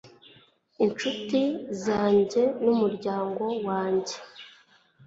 inshuti zanjye n'umuryango wanjye